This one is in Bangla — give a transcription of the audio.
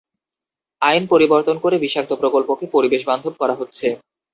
আইন পরিবর্তন করে বিষাক্ত প্রকল্পকে পরিবেশবান্ধব করা হচ্ছে।